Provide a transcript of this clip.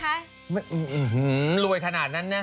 เหรอรวยถนาดนั้นน๊ะ